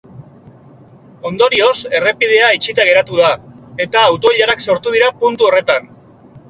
Ondorioz, errepidea itxita geratu da eta auto-ilarak sortu dira puntu horretan.